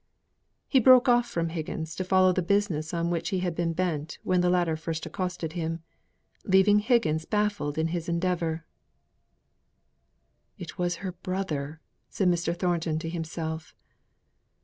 He broke off from Higgins, to follow the business on which he had been bent when the latter first accosted him; leaving Higgins baffled in his endeavour. "It was her brother," said Mr. Thornton to himself.